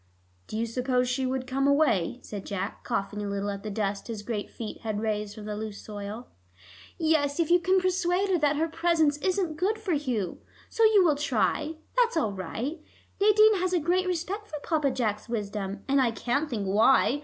"Do you suppose she would come away?" said Jack, coughing a little at the dust his great feet had raised from the loose soil. "Yes, if you can persuade her that her presence isn't good for Hugh. So you will try; that's all right. Nadine has a great respect for Papa Jack's wisdom, and I can't think why.